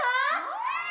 うん！